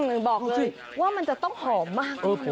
อื้อบอกเลยว่ามันจะต้องหอมมากกว่า